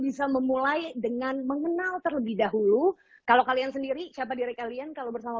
bisa memulai dengan mengenal terlebih dahulu kalau kalian sendiri siapa diri kalian kalau bersama